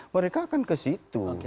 mereka akan ke situ